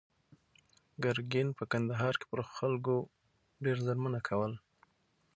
ګرګین په کندهار کې پر خلکو ډېر ظلمونه کول.